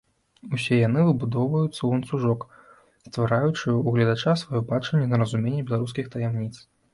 Усе яны выбудоўваюцца ў ланцужок, ствараючы ў гледача сваё бачанне і разуменне беларускіх таямніц.